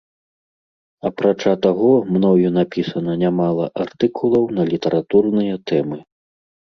Апрача таго, мною напісана не мала артыкулаў на літаратурныя тэмы.